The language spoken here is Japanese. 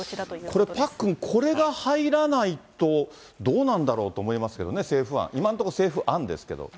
これ、パックン、これが入らないと、どうなんだろうと思いますけどね、政府案、今のところ政府案ですけれども。